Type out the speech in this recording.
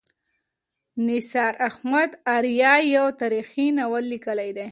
نثار احمد آریا یو تاریخي ناول لیکلی دی.